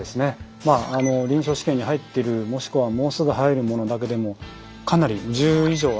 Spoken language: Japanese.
まあ臨床試験に入ってるもしくはもうすぐ入るものだけでもかなり１０以上あると思いますから。